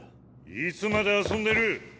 いつまで遊んでる。